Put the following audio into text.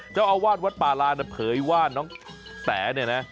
เจ้าอาวาลวัทย์ป่ารานิเผยว่าน้องแต๋นี่นะ